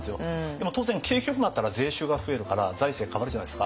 でも当然景気がよくなったら税収が増えるから財政変わるじゃないですか。